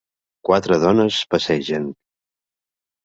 Quatre dones passegen.